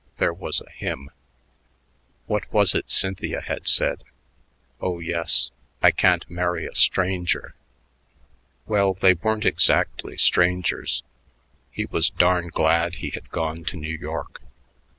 There was a hymn.... What was it Cynthia had said? Oh, yes: "I can't marry a stranger." Well, they weren't exactly strangers.... He was darn glad he had gone to New York....